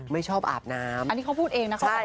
ไม่ชอบอาบน้ำ